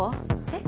え？